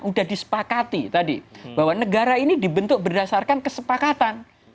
sudah disepakati tadi bahwa negara ini dibentuk berdasarkan kesepakatan